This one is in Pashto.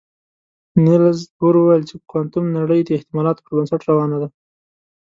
نيلز بور ویل چې کوانتم نړۍ د احتمالاتو پر بنسټ روانه ده.